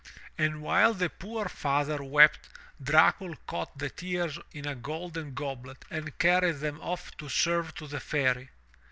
And while the poor father wept, Dracul caught the tears in a golden goblet and carried them off to serve to the Fairy.